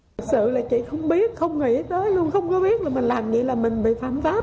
thật sự là chị không biết không nghĩ tới luôn không có biết là mình làm gì là mình bị phạm pháp